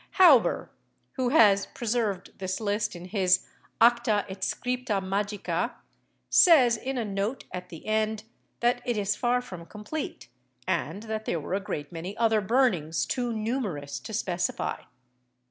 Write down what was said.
Hauber, who has preserved this list in his Acta et Scripta Magica, says, in a note at the end, that it is far from complete, and that there were a great many other burnings too numerous to specify.